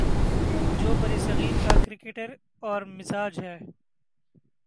جو برصغیر کا کریکٹر اور مزاج ہے۔